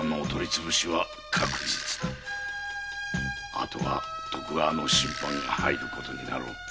あとは徳川の親藩が入る事になろう。